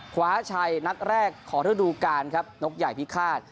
คว้าชัยนัดแรกของฤดูการครับนกใหญ่พิฆาต